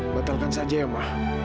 batalkan saja ya ma